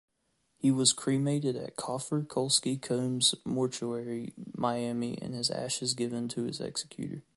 He was cremated at Cofer-Kolski-Combs mortuary, Miami, and his ashes given to his executor.